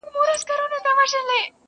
نکړې چا راټولي ستا تر غېږي اواره ګرځي،